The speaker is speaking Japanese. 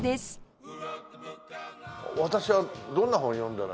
私はどんな本を読んだら？